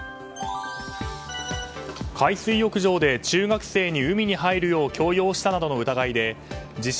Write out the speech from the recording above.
海水浴場で中学生に海に入るよう強要したなどの疑いで自称